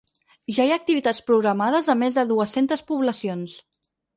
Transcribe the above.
Ja hi ha activitats programades a més de dues-centes poblacions.